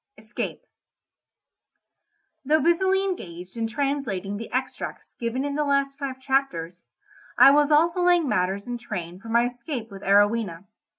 ESCAPE Though busily engaged in translating the extracts given in the last five chapters, I was also laying matters in train for my escape with Arowhena.